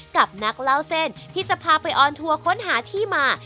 กับนักเล่าเส้นที่จะพาไปออนทัวร์ค้นหาที่มา